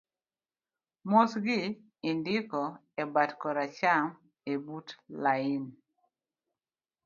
mosgi indiko e bat koracham ebut lain